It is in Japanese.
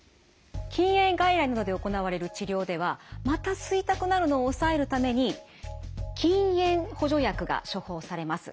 禁煙外来などで行われる治療ではまた吸いたくなるのを抑えるために禁煙補助薬が処方されます。